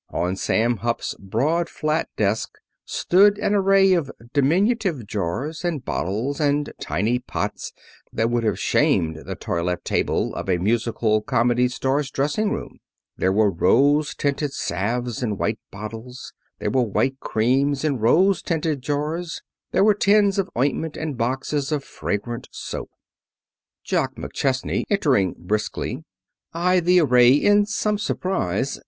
On Sam Hupp's broad flat desk stood an array of diminutive jars, and bottles, and tiny pots that would have shamed the toilette table of a musical comedy star's dressing room. There were rose tinted salves in white bottles. There were white creams in rose tinted jars. There were tins of ointment and boxes of fragrant soap. Jock McChesney, entering briskly, eyed the array in some surprise.